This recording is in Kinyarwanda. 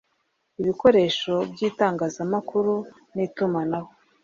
Ibikoresho by itangazamakuru n itumanaho